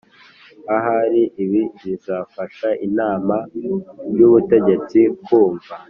Ahari ibi bizafasha inama y ubutegetsi kumva